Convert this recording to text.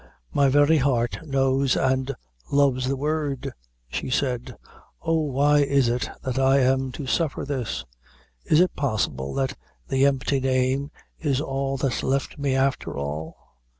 "My very heart knows and loves the word," she said. "Oh! why is it that I am to suffer this? Is it possible that the empty name is all that's left me afther all?